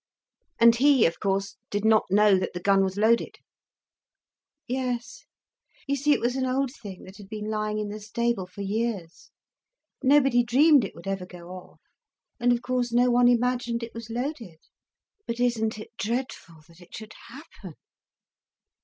"And he of course did not know that the gun was loaded?" "Yes. You see it was an old thing that had been lying in the stable for years. Nobody dreamed it would ever go off, and of course, no one imagined it was loaded. But isn't it dreadful, that it should happen?"